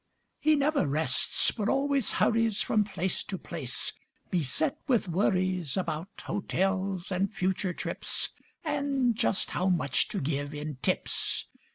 He never rests, but always hurries From place to place, beset with worries About hotels and future trips And just how much to give in tips.